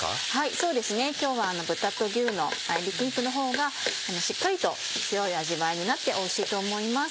そうですね今日は豚と牛の合びき肉のほうがしっかりと強い味わいになっておいしいと思います。